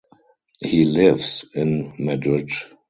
He lives in Madrid.